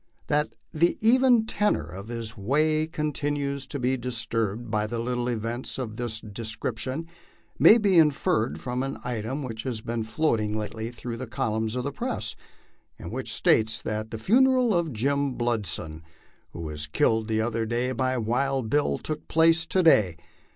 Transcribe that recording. That the even tenor of his way continues to be disturbed by little events of this description may be inferred from an item which has been floating lately through the columns of the press, and which states that " the funeral of * Jim Bludso,' who was killed the other day by 4 Wild Bill,' took place to day."